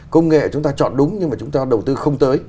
công nghệ chúng ta chọn đúng nhưng mà chúng ta đầu tư không tới